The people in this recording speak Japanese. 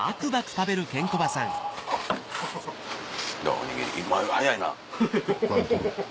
おにぎり早いな！